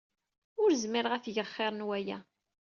Ur zmireɣ ad t-geɣ xir n waya.